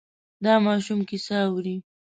دا ماشوم کیسه اوري.